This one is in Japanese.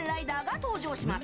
登場します。